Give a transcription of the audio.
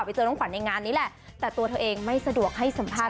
ไปเจอน้องขวัญในงานนี้แหละแต่ตัวเธอเองไม่สะดวกให้สัมภาษณ